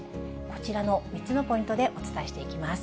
こちらの３つのポイントでお伝えしていきます。